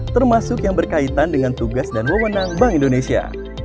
termasuk yang berkaitan dengan tugas dan wewenang bank indonesia